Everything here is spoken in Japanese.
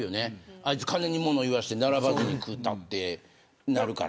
あいつ金に物言わして並ばずに食べたって言うから。